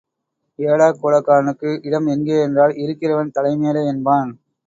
ஏடா கூடக்காரனுக்கு இடம் எங்கே என்றால் இருக்கிறவன் தலைமேலே என்பான்.